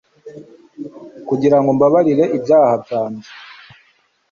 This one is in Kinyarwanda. kugirango umbabarire ibyaha byange